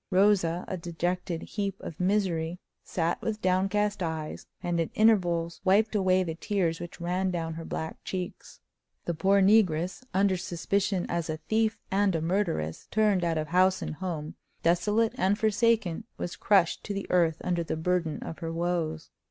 Rosa, a dejected heap of misery, sat with downcast eyes, and at intervals wiped away the tears which ran down her black cheeks. The poor negress, under suspicion as a thief and a murderess, turned out of house and home, desolate and forsaken, was crushed to the earth under the burden of her woes.